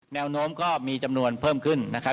แนวโน้มก็มีจำนวนเพิ่มขึ้นนะครับ